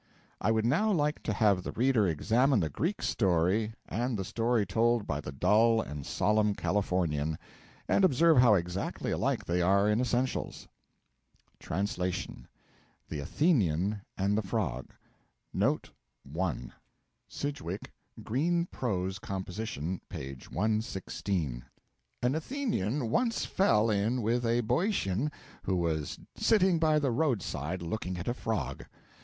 I would now like to have the reader examine the Greek story and the story told by the dull and solemn Californian, and observe how exactly alike they are in essentials. (Translation.) THE ATHENIAN AND THE FROG.(1) An Athenian once fell in with a Boeotian who was sitting by the road side looking at a frog.